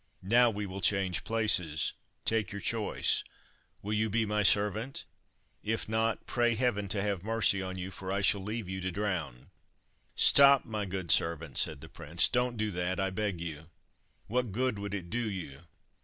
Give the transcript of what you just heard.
Now we will change places. Take your choice. Will you be my servant? If not, pray Heaven to have mercy on you, for I shall leave you to drown." "Stop, my good servant," said the prince, "don't do that, I beg you. What good would it do you?